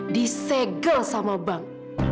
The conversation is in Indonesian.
disegel sama bank